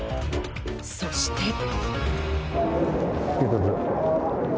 そして。